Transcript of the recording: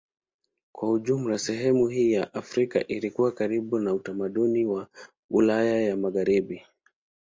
Kwa jumla sehemu hii ya Afrika ilikuwa karibu na utamaduni wa Ulaya ya Magharibi.